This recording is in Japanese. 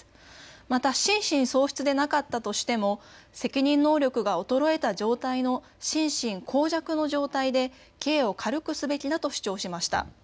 また心神喪失でなかったとしても責任能力が衰えた状態の心神耗弱の状態で刑を軽くすべきだと主張しました。